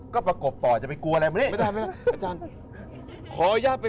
ก็ประกบต่อจะไปกลัวเลย